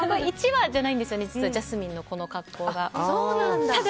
１話じゃないんです実はジャスミンの格好が。